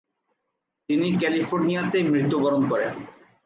তিনি ক্যালিফোর্নিয়াতে মৃত্যু বরণ করেন।